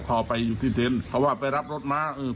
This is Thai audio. พอไปอยู่ที่เต็นต์เขาว่าไปรับรถมาอืม